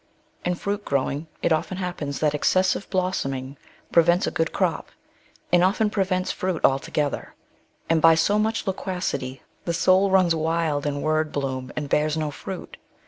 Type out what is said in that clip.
In fruit growing, it often happens that excessive blossoming prevents a good crop, and often prevents fruit altogether ; and by so much loquacity the soul runs wild in word bloom, and bears no fruit.